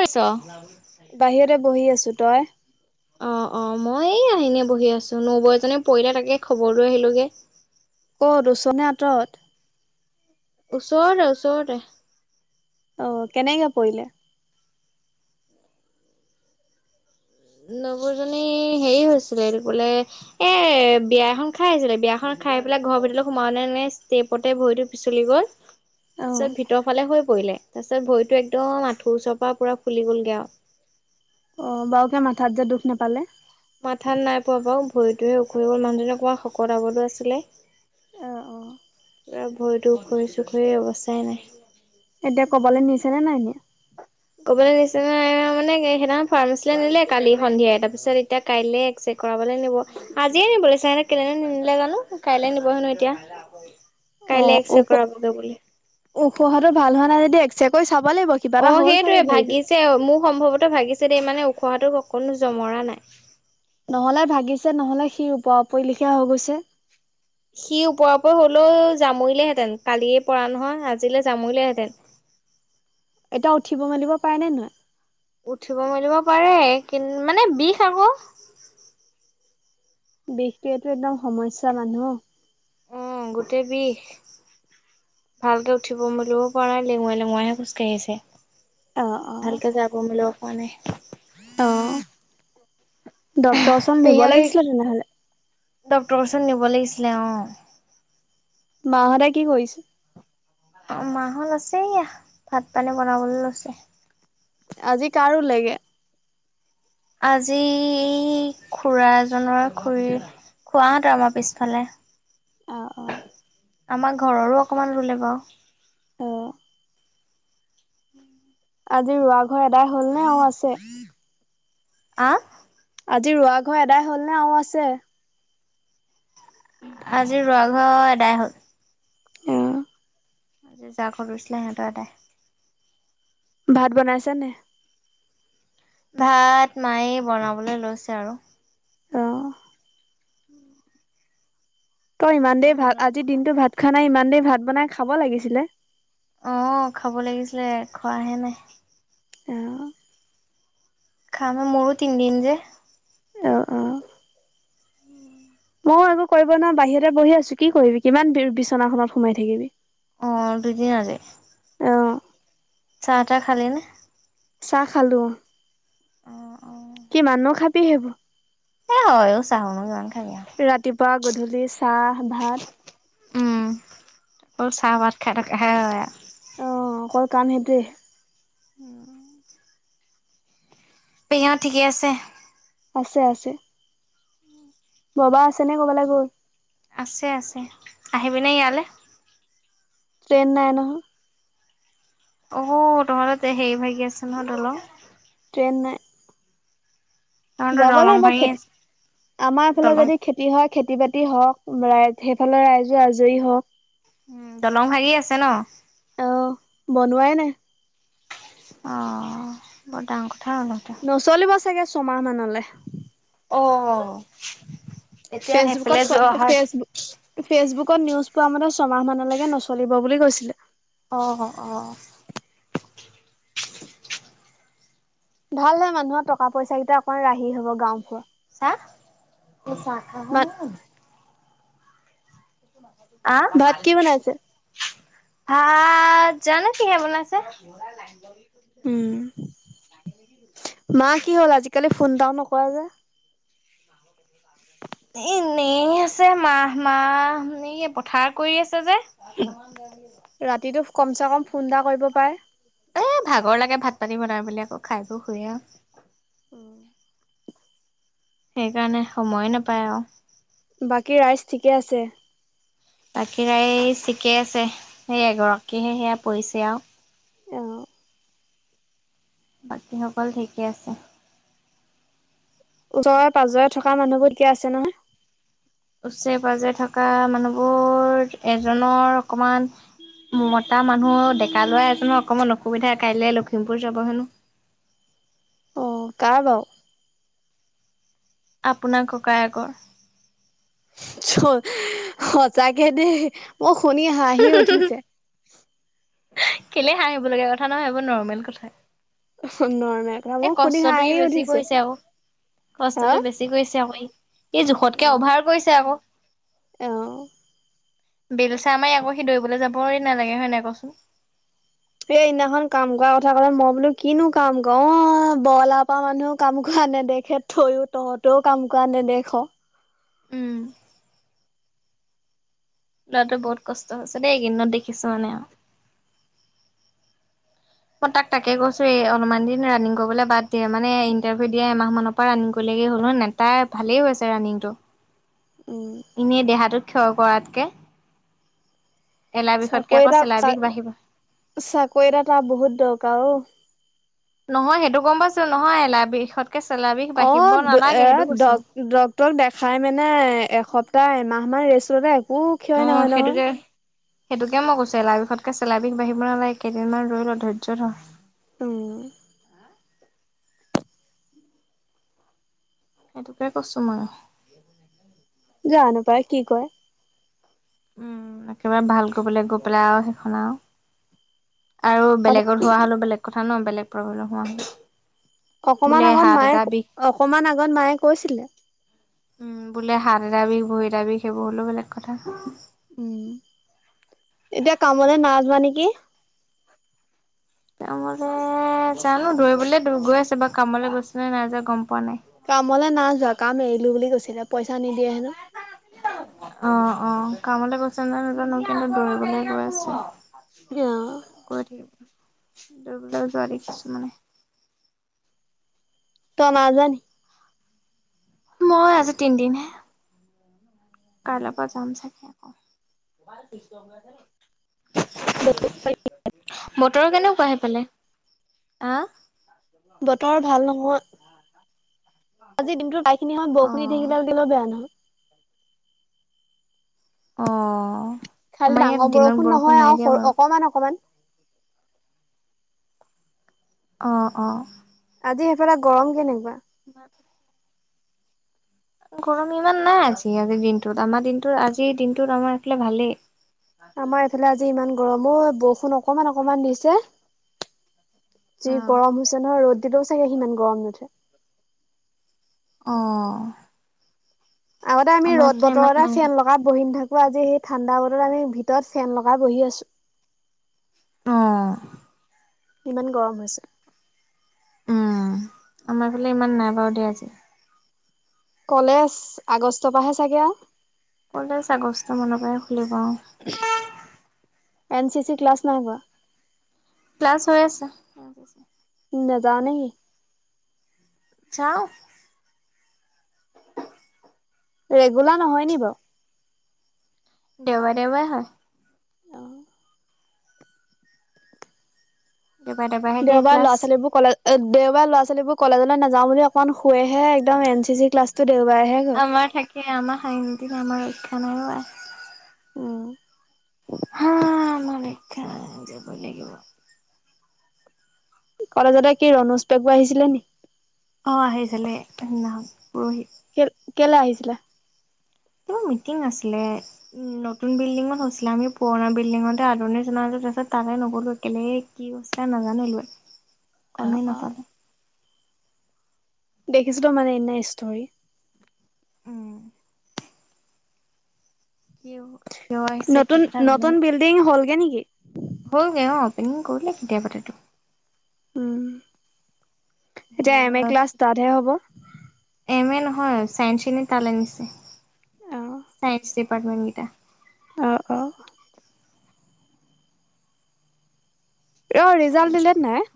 কৈছা বাহিৰতে বহি আছো তই অ অ মই এইয়া এনে বহি আছো নবৌ এজনী পৰিলে তাকে খবৰ লৈ আহিলোগে ক'ত ওচত নে আঁতৰত ওচৰতে ওচৰতে অ কেনেকে পৰিলে নবৌ জনী হেৰি হৈছিলে এইটো কি বোলে এ বিয়া এখন খাই আছিলে বিয়াখন খাই পেলাই ঘৰ ভিতলে সোমাওতে এনে ষ্টে পতে ভৰিটো পিচলি গ'ল অ তাৰপিছত ভিতৰ ফালে হৈ পৰিলে তাৰপিছত ভৰিটো একদম আঁঠুৰ ওচৰ পৰা পুৰা ফুলি গলগৈ আৰু অ বাওকে মাথাত যে দুখ নেপালে মাথাত নাই পোৱা বাৰু ভৰিটোৱে উখৰি গল মানুহজনী অকমান শকত আবতো আছিলে অ', অ', এ ভৰিটো উখৰি চুখৰি অৱস্থাই নাই এতিয়া কবালে নিছে নে নাই নিয়া কবালে নিছে নাই মানে সেইদিনা ফাৰ্মাচিলে নিলে কালি সন্ধিয়া তাৰপিছত এতিয়া কাইলে এক্সে কৰাবলে নিব আজিয়ে নিব লাগিছিলে কেলে নিনিলে জানো কাইলৈ নিব হেনো এতিয়া [unintelligible] অ কাইলে এক্সৰে ওখ কৰাবগে বোলে ওখহাটো ভাল হোৱা নাইদি এক্সে কৰি চাব লাগিব কিবা অ এটা হ'ল চাগে সেইটোৱে ভৰিটোত। ভাগিছে মোৰ সম্ভৱতো ভাগিছে দেই মানে ওখহাটো অকণো জমৰা নাই নহলে ভাগিছে নহলে হি উপ আপৰি লিখীয়া হৈ গৈছে হি ওপৰা পৰি হলেও জামুৰিলেহেঁতেন কালিয়ে পৰা নহয় আজিলৈ জামৰিলেহেঁতেন এতিয়া উঠিব মেলিব পাৰে নে নোৱাৰে উঠিব মেলিব পাৰে কি মানে বিষ আকৌ বিষটোয়েতো একদম সমস্যা মানুহ অ গোটেই বিষ ভালকে উঠিব মেলিবও পৰা নাই লেঙুৱাই লেঙুৱাইহে খোজকাঢ়ি আছে অ অ ভালকে যাব মিলিব পৰা নাই অ ডক্তৰৰ ওচৰত নিব লাগিছিল তেনেহলে ডক্তৰ ওচৰত নিব লাগিছিলে অ মাহঁতে কি কৰিছে অ মাঁহত আছে এইয়া ভাত পানী বনাবলৈ লৈছে আজি কাৰ ৰুলেগে আজি এই খুৰা এজনৰ খুৰীৰ খোড়াহঁতৰ আমাৰ পিছফালে অ অ। আমাৰ ঘৰৰো অকমান ৰুলে বাও। অঁ। আজি ৰোৱা ঘৰ এদাই হল নে আৰু আছে? আঁ? আজি ৰোৱা ঘৰ এদাই হল নে আৰু আছে? আজি ৰোৱা ঘৰ এদাই হ'ল। অ। আজি যাৰ ঘৰত ৰোইছিলে সেহঁত এদাই। ভাত বনাইছা নে? ভাত মাই বনাবলে লৈছে আৰু। অ। [unintelligible] তই ইমান মই দেৰি ভাত দিনত আজিৰ খোৱা দিনতো ভাত খোৱা নাই ইমান দেৰি ভাত বনাই খাব লাগিছিলে। অ খাব লাগিছিলে খোৱাহে নাই। অ। খাম অ মোৰো তিনিদিন যে। অঁ অঁ। উম। মইয়ো একো কৰিব নোৱাৰো বাহিৰতে বহি আছো কি কৰিবি কিমান বিৰ বিচনাখনত সোমাই থাকিবি! অ দুদিন আজি, অ', চাহ-তাহ খালে নে? চাহ খালো অ। অ' অ'। কি মান নো খাবি সেইবোৰ। এ হয়ও চাহো নো কিমান খাবি আও। ৰাতিপুৱা গধূলি চাহ ভাত। উম, অকল চাহ ভাত খাই থকাহে হয় আও। অ', অকল কাম সেইটোৱে। উম। পি হঁত ঠিকেই আছে? আছে আছে। বাবা আছেনে কৰবালে গ'ল? আছে আছে। আহিবিনে ইয়ালে? ট্ৰেইন নাই নহয়। অ তহঁত ট্ৰে হেৰি ভাগি আছে নহয় দলং! ট্ৰেইন নাই। তহঁতৰ যাব দলং লাগিব ভাঙি খেতিত, আছে আমাৰ ফালে দলং যদি খে তি হয় খেতি-বাতি হওক, ৰাই সেইফালে ৰাইজো আজৰি হওক। উম, দলং ভাগি আছে ন? অ, বনোৱাই নাই। অ, বৰ ডাঙ কথা হল সেইটো। নচলিব চাগে ছমাহ মানলে। অ, তেতিয়া সেইফালে যোৱা হয়। এই ফেচবুকত নিউজ পোৱা মতে ছমাহ মানলেকে নচলিব বুলি কৈছিলে। অহ অ অ। ভাল হে মানুহৰ টকা পইচা কেইটা অকমান ৰাহি হব গাওঁ ভোৰ। চাহ, এই চাহ ভাত খাবানে ঐ? আ, কি ভাত, বনাইছে জানো কিহে বনাইছে? উম। মা, কি হ'ল? আজিকালি ফোন এটাও নকৰা যে? [unintelligible] এনেই আছে মা-মা, এই পথাৰ কৰি আছে যে। [unintelligible] ৰাতিটো কমচে কম ফোন এটা কৰিব পাৰে। এ ভাগৰ লাগে ভাত-পানী বনাই মেলি আকৌ। খাই বৈ শুৱে আও। উম, সেইকাৰণে সময়ে নাপায় আৰু। বাকী ৰাইজ ঠিকে আছে? বাকী ৰাইজ ঠিকেই আছে। সেই এগৰাকীহে সেয়া পৰিছে আৰু। অ, বাকীসকল ঠিকে আছে। ওচৰ-পাজৰে থকা মানুহবোৰ ঠিকে আছে নহয়? ওচৰে-পাজৰে থকা মানুহবোৰ, এজনৰ অকমান মতা মানুহ, ডেকা ল'ৰা এজনৰ অকণমান অসুবিধা। কাইলৈ লখিমপুৰ যাব হেনোঁ। অঁ, কাৰ বাৰু? আপোনাৰ ককায়েকৰ। চ সঁচাকে দেই, মোৰ শুনি হাঁহি উঠিছে। কেলেই হাঁহিব লাগে? একো কথা নহয়, এইবোৰ নৰ্মেল কথা। অহ নৰ্মেল, কথা এই মোৰ শুনি কষ্টটো ই হাঁহি বেছি উঠিছে কৰিছে আৰু। হা কষ্টটো বেছি কৰিছে আক'। ই জোখতকে উম অভাৰ কৰিছে আক'। অ এই বেলচা মাৰি আকৌ সি দৌৰিবলৈ যাবই নালাগে, হয় নাই ক'চোন। এই সেইদিনাখন কাম কৰা কথা ক'লে, মই বোলোঁ কিনো কাম কৰ, অ' বৰলা পৰা মানুহ কাম কৰা নেদেখে। থৈও তহঁতেও কাম কৰা নেদেখ। উম। ল'ৰাটোৰ বহুত কষ্ট হৈছে দেই, এইকেদিনত দেখিছোঁ মানে আৰু। মই তাক তাকে কৈছোঁ, এই অলপমান দিন ৰানিং কৰিবলৈ বাদ দে, মানে ইণ্টাৰভিউ দিয়া এমাহমানৰ পৰা ৰানিং কৰিলেগে হ'ল, হয় নাই? তাৰ ভালেই হৈ আছে ৰানিংটো। উম। এনেই দেহাটোক ক্ষয় কৰাতকে। এলাৰ চাকৰি বিষতকে আকৌ এটা চেলাই বিষ বাঢ়িব। চাকৰি এটা তাৰ বহুত দৰকাৰ অ। নহয়, সেইটো গম পাইছোঁ। নহয়, এলাৰ বিষতকে চেলাই বিষ অ বাঢ়িব এ নালাগে সেইটো ডক কৈছোঁ। ডক্তৰক দেখাই মানে এসপ্তাহ-এমাহমান ৰেষ্ট ল'লে একো ক্ষয় অ নহয় নহয় সেইটোকে সেইটোকে মই কৈছোঁ, এলাৰ বিষতকে চেলাই বিষ বাঢ়িব নালাগে, কেইদিনমান ৰৈ ল', ধৈৰ্য ধৰ। উম। সেইটোকে কৈছোঁ মই। উ [unintelligible] যানোপায় কি কয়। উম, একেবাৰে ভাল কৰিবলৈ গৈ পেলাই আৰু সেইখন আৰু, আৰু বেলেগত পোৱা হ'লেও বেলেগ কথা ন, বেলেগ [unintelligible] হোৱা হ'লে। অকমান বোলে আগত হাত মায়ে, এটা বিষ অকমান আগত মায়ে কৈছিলে। উম, বোলে হাত এটা বিষ, ভৰি এটা বিষ সেইবোৰ হ'লেও বেলেগ কথা। উম, এতিয়া কামলে নাইযোৱা নেকি? কামলে জানো, দৌৰিবলে [unintelligible] গৈ আছে বাৰু কামলৈ গৈছে নে নাইযোৱা গম পোৱা নাই। কামলে নাযোৱা। কাম এৰিলোঁ বুলি কৈছিলে, পইচা নিদিয়ে হেনো। অ' অ' কামলে গৈছে নে নাই নাজানো, কিন্তু দৌৰিবলৈ গৈ আছে। অ' গৈ থাকিব দৌৰিবলৈ যোৱা দেখিছোঁ মানে। তই, নাইযোৱা নি? মই আজি তিনদিন হে, কাইলৈ পা যাম চাগে আকৌ। [unintelligible] বতৰৰ কেনেকুৱা সেইফালে আহ? বতৰ ভাল নহয়। আজিৰ দিনটো প্ৰাই খিনি সময় অ বৰষুণ দি থাকিলে [unintelligible] বেয়া নহয়। অ' খালি আমাৰ ডাঙৰ ইয়াত দিনত নহয় বৰষুণ আৰু নাই সৰু দিয়া বাৰু। অকমান, অকমান। অ'অ' আজি সেইফালে গৰম কেনেকুৱা? [inaudible] গৰম ইমান নাই আজি, আজিৰ দিনটোত আমাৰ দিনটো আজিৰ দিনটোত আমাৰ এইফালে ভালেই। আমাৰ এইফালে আজি ইমান গৰম অ'বৰষুণ অকমান, অকমান দিছে। যি অ গৰম হৈছে নহয়, ৰ'দ দিলওঁ চাগে সিমান গৰম নুঠে। অ', আগতে আমি আমাৰ ৰ'দ এইফালে ইমান বতৰতে নাই ফেন লগাই বহিম অ'আজি সেই ঠাণ্ডা বতৰ আমি ভিতৰত ফেন লগাই বহি আছোঁ। অ', ইমান গৰম হৈছে। উম আমাৰ এইফালে ইমান নাই বাৰু দেই আজি। কলেজ আগষ্টৰ পৰাহে চাগে আওঁ? কলেজ আগষ্ট মানৰ পৰাই খুলিব অ'। এন চি চি ক্লাছ নাই হোৱা? ক্লাছ হৈ আছে। N C C. নেযাওঁ নেসি? যাওঁ। ৰেগুলাৰ নহয় নি বাৰু? দেওবাৰে, দেওবাৰে হয়। দেওবাৰে দেওবাৰেহে দিয়ে দেওবাৰ ক্লাছ ল'ৰা-ছোৱালীবোৰ কলে এ, দেওবাৰ ল'ৰা-ছোৱালীবোৰ কলেজলৈ নাযাওঁ বুলি অকমান শুৱেহে একদম এন চি চি ক্লাছটো দেওবাৰে শেষ হয়। সেয়ে আমাৰ [unintelligible] আমাৰ ৰক্ষা নাই অ' আই। উম, হা, আমাৰ ৰক্ষা নাই যাবই লাগিব। কলেজতে কি ৰণোজ পেগু আহিছিলে নি? অ' আহিছিলে সেদনাখন পৰহি। কে-কেলে আহিছিলে? কিবা মিটিং আছিলে। উম' নতুন বিল্ডিঙত হৈছিলে আমি পুৰণা বিল্ডিঙতে আদৰণি জনালো তাৰপিছত তালে নগ'লো, এনেই- কি হৈছিলে নাজানো এইবোৰ। [unintelligible] গমেই নাপালো। দেখিছিলো মানে এনেই ষ্টৰি। উম'। কিয় কিয় আহিছে, কি কথা গমেই নাপা- লিংক হলগে নেকি? হ'লগে অঁ অপেনিং কৰিলে কেতিয়াবাতেটো। উম এতিয়া এম এ হেয়ত ক্লাছ তাতহে হ'ব। এম এ নহয়, চাইন্স খিনি তালে নিছে। অ চাইন্স ডিপাৰ্মেণ্ট গিটা। অঁ অঁ'। অঁ ৰিজাল্ট চাইন্স দিলেনে নাই?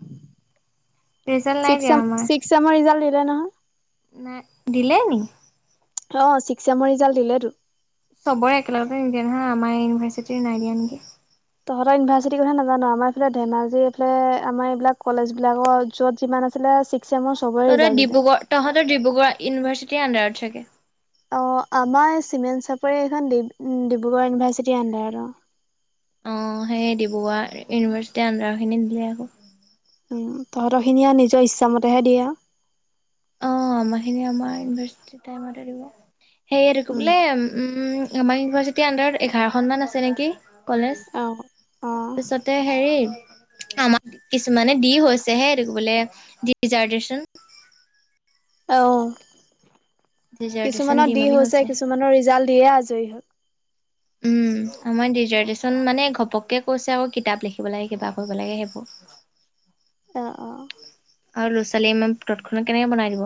ৰিজাল্ট নাই চিক দিয়া ছেম আমাৰ ছিক্স ছেমৰ ৰিজাল্ট দিলে নহয়। নাই দিলে নি? অঁ ছিক্স ছেমৰ ৰিজাল্ট দিলেতো। চবৰে একেলগতে নিদিয়ে নহয়, আমাৰ ইউনিভাৰ্চিটি নাই দিয়া নেকি? তহঁতৰ ইউনিভাৰ্চিটিৰ কথা নাজানো, আমাৰ ধেমাজি এইফালে আমাৰ এইবিলাক কলেজবিলাকৰ যত যিমান আছ- এইফেলে ছিক্স ছেমৰ- তহঁতৰ ডিব্ৰুগড় তহঁতৰ ডিব্ৰুগড় ইউনিভাৰ্চিটিৰ আণ্ডাৰত চাগে? অঁ' আমাৰ এই চিমেণ্ট চাপৰি এইখন ডিব্ৰুগড় ইউনিভাৰ্চিটিৰ আণ্ডাৰত অঁ। অঁ সেই ডিব্ৰুগড় ইউনিভাৰ্চিটিৰ আণ্ডাৰ খিনি দিলে আকৌ। উম' তহঁতৰ খিনি আৰু নিজৰ ইচ্ছামতেহে দিয়ে আও। অঁ আমাৰখিনি আমাৰ ইউনিভাৰচিটি টাইমতহে দিব, সেয়াত আকো উম। বোলে- উম' আমাৰ ইউনিভাৰ্চিটিৰ আণ্ডাৰত এঘাৰখনমান আছে নেকি? কলেজ। অ', অ', তাৰপিছতে হেৰি আমা- কিছুমানে দি হৈছে হে এইটো কি বোলে ৰিজাৰ্ভেশচন। অঁ ডিজাৰ্টেচন কিছুমানৰ দি মেলি হৈছে হৈছেহে। কিছুমানৰ ৰিজাল্ট দিয়ে আজৰি হ'ল। উম' আমাৰ ডিজাৰ্টেশ্যন মানে ঘপককে কৈছে আৰু কিতাপ লিখিব লাগে কিবা কৰিব লাগে সেইবোৰ। অঁ অঁ। আৰু ল'ৰা-ছোৱালীয়ে ইমান টটখনাত কেনেকে বনাই দিব?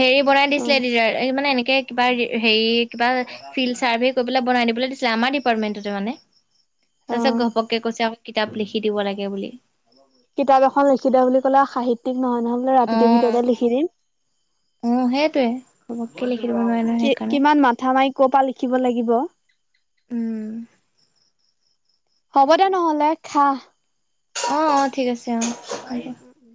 হেৰি বনাই অ', দিছিলে এই মানে এনেকে- কিবা হেৰি কিবা ফিল্ড চাৰ্ভে কৰিবলৈ বনাই দিবলৈ দিছিলে আমাৰ ডিপাৰ্টমেন্টতে মানে। তাপিছত অ'। ঘপকে কৈছে আকৌ কিতাপ লিখি দিব লাগে বুলি। কিতাপ এখন লিখি দে বুলি ক'লে সাহিত্যিক নহয় নহয় বোলে ৰাতিটোৰ ভিতৰতে লিখি দিম। অঁ' সেইটোয়ে ঘপককে লিখি দিব নোৱাৰে ন কি সেইকাৰণে। কিমান মাথা মাৰি- কপা লিখিব লাগিব- উম'। হ'ব দে নহ'লে খা। অঁ অঁ ঠিক আছে অঁ। উম উম।